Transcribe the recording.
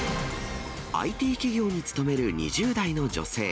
ＩＴ企業に勤める２０代の女性。